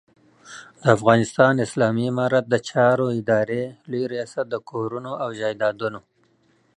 د افغانستان اسلامي امارت د چارو ادارې لوی رياست د کورونو او جایدادونو